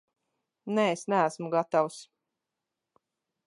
Nē, es neesmu gatavs.